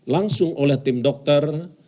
langsung oleh tim dokter